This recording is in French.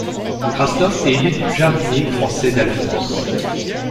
Krasnov est aidé du jardinier français d'Alphonse.